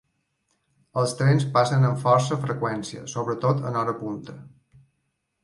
Els trens passen amb força freqüència, sobretot en hora punta.